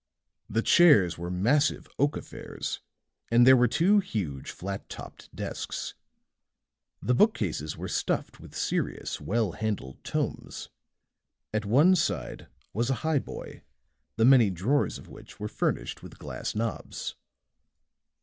The chairs were massive oak affairs and there were two huge, flat topped desks. The bookcases were stuffed with serious, well handled tomes; at one side was a highboy, the many drawers of which were furnished with glass knobs.